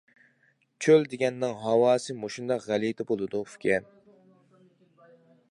-چۆل دېگەننىڭ ھاۋاسى مۇشۇنداق غەلىتە بولىدۇ، ئۈكەم.